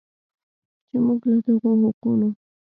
چې موږ له دغو حقونو